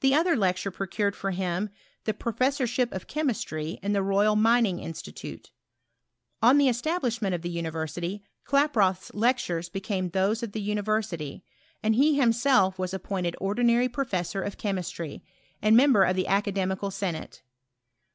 The other lecture procured for him the pro* lessorship of chemistry in the Royal Mining Institu tute. On the establishment of the university, Klaproth*s lectures became those of the university, and he himself was appointed ordinary professor of ciiemistry, and member of the academical senate.